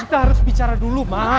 kita harus bicara dulu mas